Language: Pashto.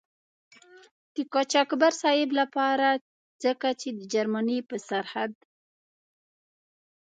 د قاچاقبر صاحب له پاره ځکه چې د جرمني په سرحد.